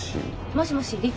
もしもし陸？